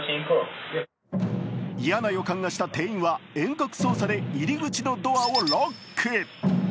嫌な予感がした店員は、遠隔操作で入り口のドアをロック。